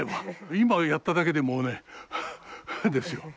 今やっただけでもうねハアハアですよ。